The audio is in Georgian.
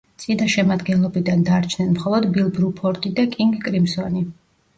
წინა შემადგენლობიდან დარჩნენ მხოლოდ ბილ ბრუფორდი და კინგ კრიმსონი.